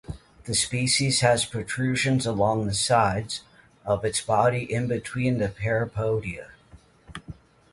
The species has protrusions along the sides of its body in between the parapodia.